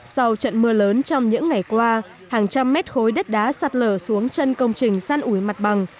sau trận mưa lớn trong những ngày qua hàng trăm mét khối đất đá sạt lở xuống chân công trình san ủi mặt bằng